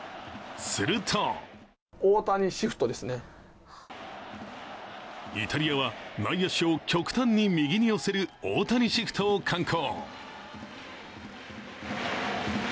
するとイタリアは内野手を極端に右に寄せる大谷シフトを敢行。